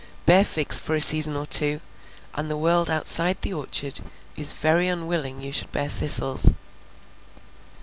Bear figs for a season or two, and the world outside the orchard is very unwilling you should bear thistles.